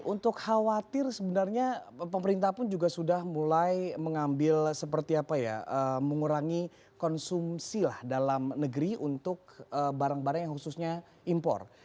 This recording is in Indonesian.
untuk khawatir sebenarnya pemerintah pun juga sudah mulai mengambil seperti apa ya mengurangi konsumsi lah dalam negeri untuk barang barang yang khususnya impor